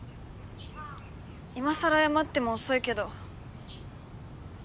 今さら謝っても遅いけど。